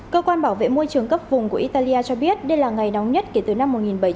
cơ quan bảo vệ môi trường cấp vùng của italia cho biết đây là ngày nóng nhất kể từ năm hai nghìn một mươi bảy